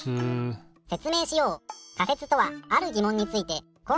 説明しよう。